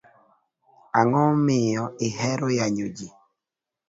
Ango miyo ihero yanyo jii?